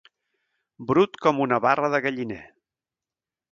Brut com una barra de galliner.